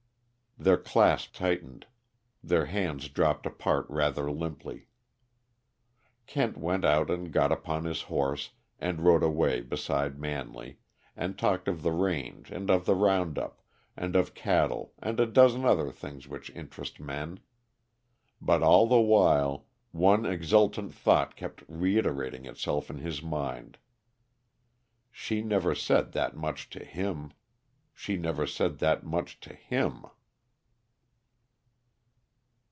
Their clasp tightened, their hands dropped apart rather limply. Kent went out and got upon his horse, and rode away beside Manley, and talked of the range and of the round up and of cattle and a dozen other things which interest men. But all the while one exultant thought kept reiterating itself in his mind: "She never said that much to him! She never said that much to _him!